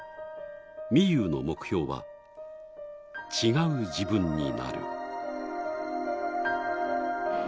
みゆうの目標は違う自分になる。